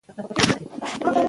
اقتصاد د ژوند معیار لوړوي.